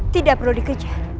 tidak perlu dikejar